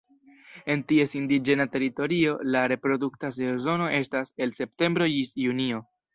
En ties indiĝena teritorio la reprodukta sezono estas el septembro ĝis junio.